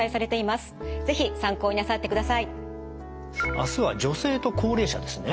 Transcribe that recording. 明日は女性と高齢者ですね？